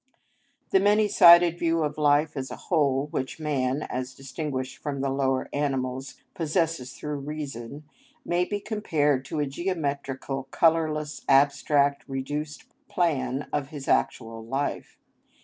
The many sided view of life as a whole which man, as distinguished from the lower animals, possesses through reason, may be compared to a geometrical, colourless, abstract, reduced plan of his actual life.